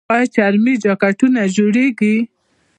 آیا چرمي جاکټونه جوړیږي؟